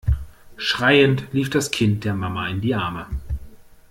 Schreiend lief das Kind der Mama in die Arme.